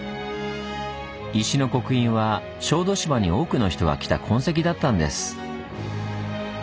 石の刻印は小豆島に多くの人が来た痕跡だったんです。